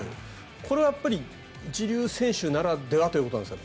これは一流選手ならではということなんですか？